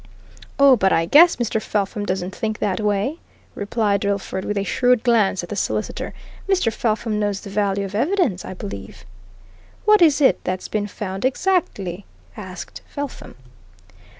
"Oh but I guess Mr. Felpham doesn't think that way?" replied Drillford with a shrewd glance at the solicitor. "Mr. Felpham knows the value of evidence, I believe!" "What is it that's been found, exactly?" asked Felpham.